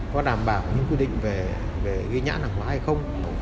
có đảm bảo những quy định về ghi nhãn hỏa hay không